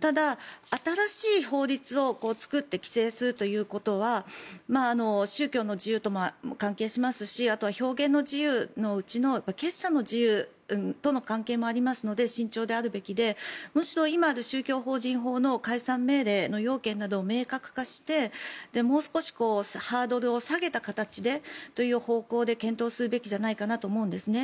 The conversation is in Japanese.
ただ、新しい法律を作って規制するということは宗教の自由と関係しますしあとは表現の自由のうちの結社の自由との関係もありますので慎重であるべきでむしろ、今ある宗教法人法の解散命令の要件などを明確化してもう少しハードルを下げた形でという方向で検討するべきじゃないかなと思うんですね。